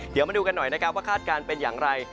เดี๋ยวมาดูกันหน่อยนะครับว่าคาดการณ์เป็นอย่างไร